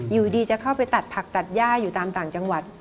อยู่ดีจะเข้าไปตัดผักตัดย่าอยู่ตามต่างจังหวัด